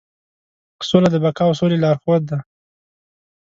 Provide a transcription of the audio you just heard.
سوله د بقا او سولې لارښود ده.